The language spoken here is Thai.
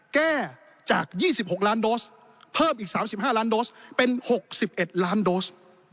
แก้จาก๒๖ล้านโดสเพิ่มอีก๓๕ล้านโดสเป็น๖๑ล้านโดส